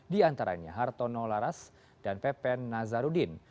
di antaranya hartono laras dan pepen nazarudin